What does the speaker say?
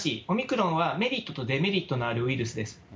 オミクロンはメリットとデメリットのあるウイルスです。